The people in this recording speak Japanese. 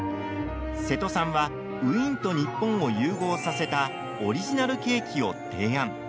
瀬戸さんはウィーンと日本を融合させたオリジナルケーキを提案。